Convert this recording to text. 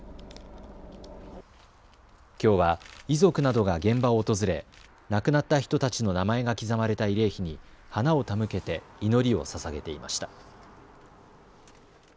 きょうは遺族などが現場を訪れ亡くなった人たちの名前が刻まれた慰霊碑に花を手向けて祈りをささげていました。